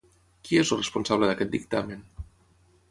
Qui és el responsable d'aquest dictamen?